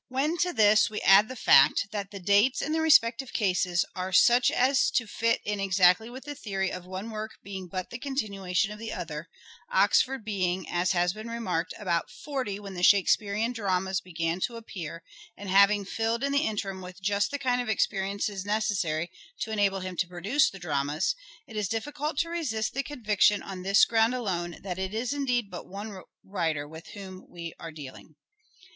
When to this we add the fact that the dates in the respective cases are such as to fit in exactly with the theory of one work being but the continuation of the other, Oxford being, as has been remarked, about forty when the Shakespearean dramas began to appear, and having filled in the interim with just the kind of experiences necessary to enable him to produce the dramas, it is difficult to resist the conviction, on this ground alone, that it is indeed but one writer with whom we are dealing.